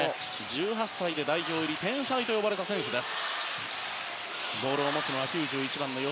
１８歳で代表入りして天才と呼ばれた選手です。